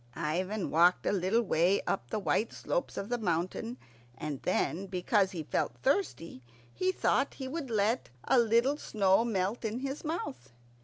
Ivan walked a little way up the white slopes of the mountain, and then, because he felt thirsty, he thought he would let a little snow melt in his mouth.